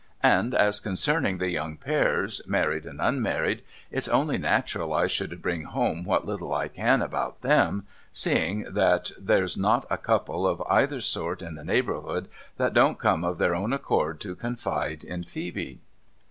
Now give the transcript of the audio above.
And as concerning the young pairs, married and unmarried, it's only natural I should bring home what little I can about them, seeing that there's not a Couple of either sort in the neighbourhood that don't come of their own accord to confide in rhccbe.'